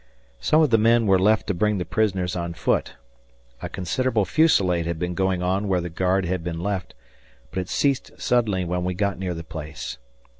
Some of the men were left to bring the prisoners on foot. A considerable fusillade had been going on where the guard had been left, but it ceased suddenly when we got near the place.